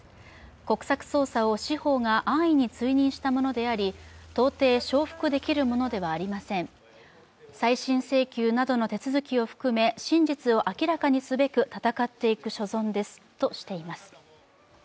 国策捜査を司法が安易に追認したものであり到底承服できるものではありません、再審請求などの手続きを含め真実を明らかにすべく戦っていく所存ですとしています。